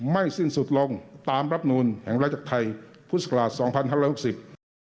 สิ้นสุดลงตามรับนูลแห่งราชจักรไทยพุทธศักราชสองพันห้าร้อยหกสิบ